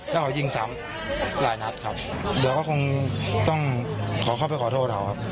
แล้วเขายิงซ้ำหลายนัดครับเดี๋ยวก็คงต้องขอเข้าไปขอโทษเราครับ